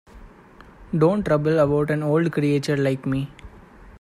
‘Don’t trouble about an old creature like me.